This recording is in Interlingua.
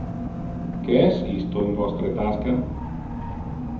Que es isto in vostre tasca?